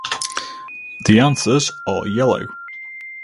The anthers are yellow.